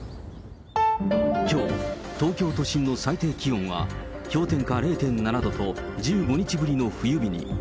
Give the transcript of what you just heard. きょう、東京都心の最低気温は氷点下０．７度と１５日ぶりの冬日に。